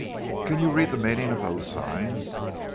"Can you read the meaning of those signs?"